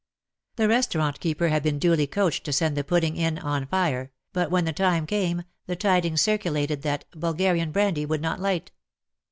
The restaurant keeper had been duly coached to send the pudding in '*on fire," but when the time came, the tidings circulated that " Bulgar ian brandy would not light."